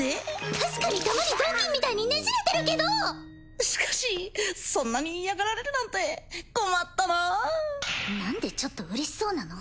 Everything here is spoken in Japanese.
確かにたまにぞうきんみたいにねじれてるけどしかしそんなに嫌がられるなんて困ったなあ何でちょっと嬉しそうなの？